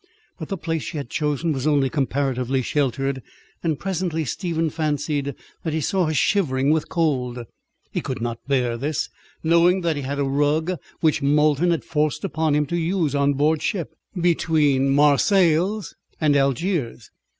But the place she had chosen was only comparatively sheltered, and presently Stephen fancied that he saw her shivering with cold. He could not bear this, knowing that he had a rug which Molton had forced upon him to use on board ship between Marseilles and Algiers.